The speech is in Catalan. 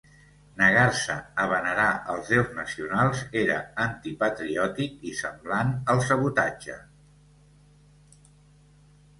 Negar-se a venerar els déus nacionals era antipatriòtic i semblant al sabotatge.